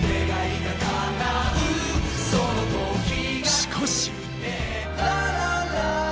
しかし。